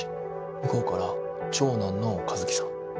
向こうから長男の一樹さん。